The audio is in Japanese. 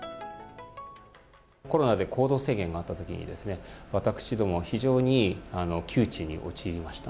コロナで行動制限があったとき私どもは非常に窮地に陥りました。